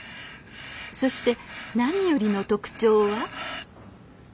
そして何よりの特徴は。